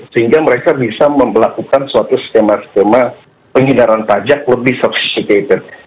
sehingga mereka bisa melakukan suatu skema skema pengindaran pajak lebih sophisticated